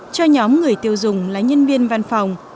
cho nhóm người tiêu dùng là nhân viên văn phòng